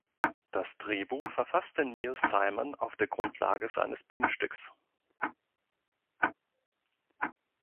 Das Drehbuch verfasste Neil Simon auf der Grundlage seines Bühnenstücks.